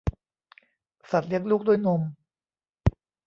สัตว์เลี้ยงลูกด้วยนม